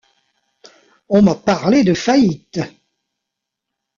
On m’a parlé de faillite!